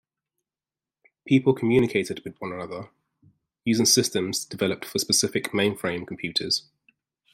People communicated with one another using systems developed for specific mainframe computers.